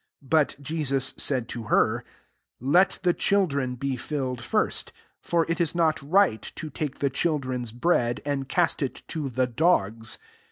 27 But Jesus said to her^ << Let the children be filled first: for it is not ri^t to take the children's bread, and cast it to the dogs."